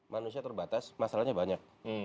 manusia terbatas masalahnya banyak